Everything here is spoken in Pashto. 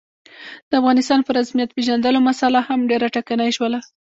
د افغانستان په رسمیت پېژندلو مسعله هم ډېره ټکنۍ شوله.